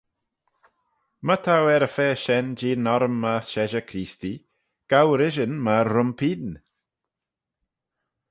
My t'ou er-y-fa shen jeeaghyn orrym myr sheshey-creestee, gow rishyn myr rhym pene.